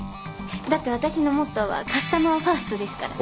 だって私のモットーはカスタマーファーストですから。